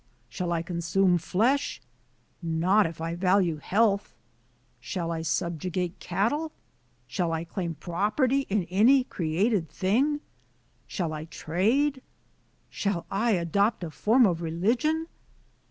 Shall I consume flesh? Not if I value health. Shall I subjugate cattle? Shall I claim property in any created thing? Shall I trade? Shall I adopt a form of religion?